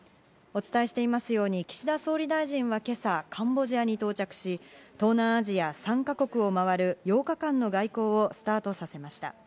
お伝えしていますように、岸田総理大臣は今朝カンボジアに到着し、東南アジア３ヶ国をまわる８日間の外交をスタートさせました。